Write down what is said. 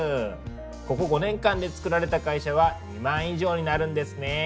ここ５年間でつくられた会社は２万以上になるんですね。